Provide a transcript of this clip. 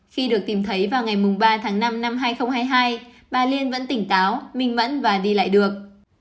khi được tìm thấy vào ngày ba tháng năm năm hai nghìn hai mươi hai bà liên vẫn tỉnh táo minh mẫn và đi lại được